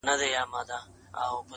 څه سړي وه څه د سپيو هم غپا سوه -